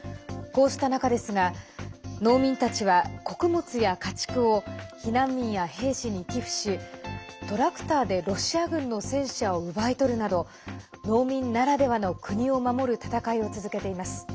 こうした中ですが、農民たちは穀物や家畜を避難民や兵士に寄付しトラクターでロシア軍の戦車を奪い取るなど農民ならではの国を守る戦いを続けています。